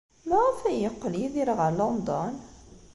Maɣef ay yeqqel Yidir ɣer London?